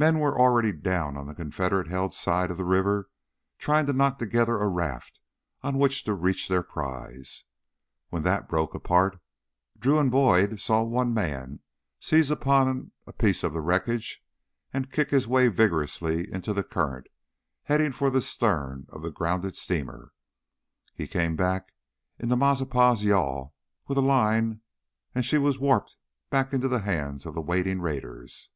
Men were already down on the Confederate held side of the river, trying to knock together a raft on which to reach their prize. When that broke apart Drew and Boyd saw one man seize upon a piece of the wreckage and kick his way vigorously into the current heading for the stern of the grounded steamer. He came back in the Mazeppa's yawl with a line, and she was warped back into the hands of the waiting raiders.